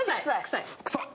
臭っ！